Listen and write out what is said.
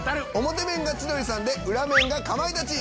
表面が千鳥さんで裏面がかまいたち。